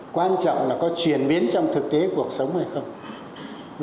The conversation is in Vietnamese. quan trọng là có chuyển biến trong thực tế cuộc sống hay không